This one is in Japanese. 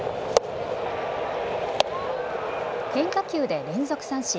変化球で連続三振。